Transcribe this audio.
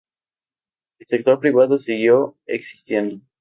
El sector privado siguió existiendo.